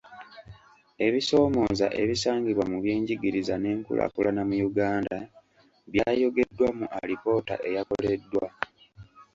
Ebisoomooza ebisangibwa mu byenjigiriza n'enkulaakulana mu Uganda byayogeddwa mu alipoota eyakoleddwa.